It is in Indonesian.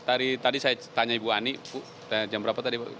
tadi saya tanya ibu ani jam berapa tadi pak